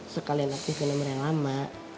sekalian aktifin nomernya lama